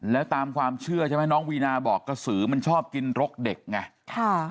แล้วตามความเชื่อใช่ไหมน้องวีนาบอกกระสือมันชอบกินรกเด็กไง